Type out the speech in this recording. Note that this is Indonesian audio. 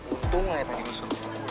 untung lah ya tegi wiswo